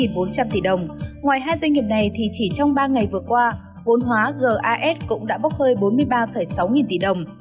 ngoài hai doanh nghiệp này thì chỉ trong ba ngày vừa qua vốn hóa gas cũng đã bốc hơi bốn mươi ba sáu nghìn tỷ đồng